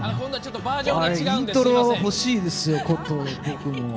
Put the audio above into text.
イントロ欲しいですよ、僕も。